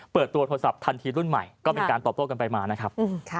เปิดตัวโทรศัพท์ทันทีรุ่นใหม่ก็เป็นการตอบโต้กันไปมานะครับ